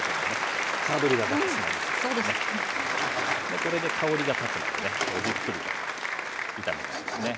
でこれで香りがたつまでねじっくりと炒めてですね。